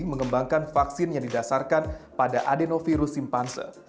mengembangkan vaksin yang didasarkan pada adenovirus simpanse